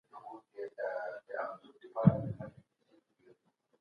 زموږ په هیواد کي تولیدي منابع ډيري دي.